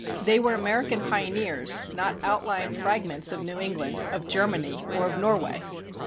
They were American pioneers, not outlying fragments of New England, of Germany, or of Norway.